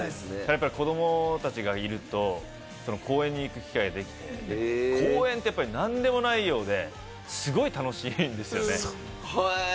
やっぱり子供たちがいると公園に行く機会ができて、公園って何でもないようで、すごい楽しいんですよね。